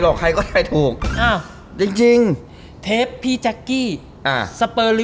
หรอกใครก็ถ่ายถูกอ้าวจริงทีพี่จักกี้อ่าสเตอร์ลิ